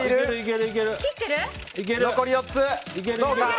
残り４つ。